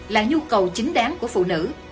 là nhu cầu chính đáng của phụ nữ